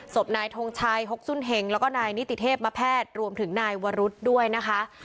ศพนายทงชัยหกสุนเห็งแล้วก็นายนิติเทพมแพทย์รวมถึงนายวรุษด้วยนะคะ